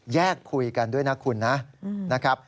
แยกคุยกันด้วยนะคุณนะ